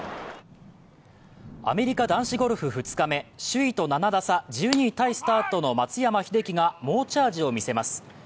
アメリカ男子ゴルフ２日目首位と７打差、１２位タイスタートの松山英樹が猛チャージを見せます。